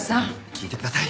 聞いてください。